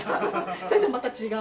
それとはまた違う。